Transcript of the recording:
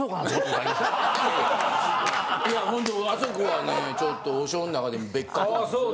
いやホントあそこはねちょっと王将の中でも別格ですねうん。